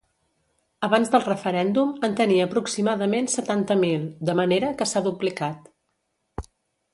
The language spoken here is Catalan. Abans del referèndum en tenia aproximadament setanta mil, de manera que s’ha duplicat.